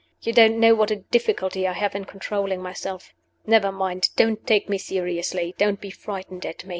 You don't know what a difficulty I have in controlling myself. Never mind. Don't take me seriously. Don't be frightened at me.